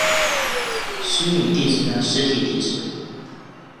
虚拟地址的实体地址。